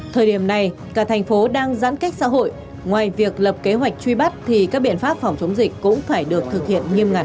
thời điểm này cả thành phố đang giãn cách xã hội ngoài việc lập kế hoạch truy bắt thì các biện pháp phòng chống dịch cũng phải được thực hiện nghiêm ngặt